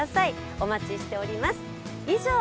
お待ちしております。